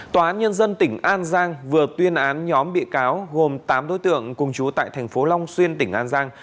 tòa án nhân dân tỉnh an giang vừa tuyên án nhóm bị cáo gồm tám đối tượng cùng chú tại thành phố long xuyên tỉnh an giang